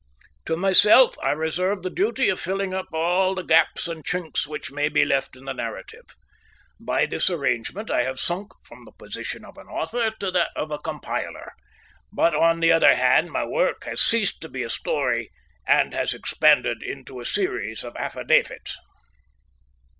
To myself I reserve the duty of filling up all the gaps and chinks which may be left in the narrative. By this arrangement I have sunk from the position of an author to that of a compiler, but on the other hand my work has ceased to be a story and has expanded into a series of affidavits.